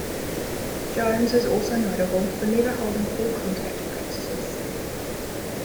Jones is also notable for never holding full-contact practices.